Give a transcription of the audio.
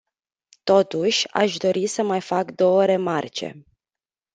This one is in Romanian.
Totuși, aș dori să mai fac două remarce.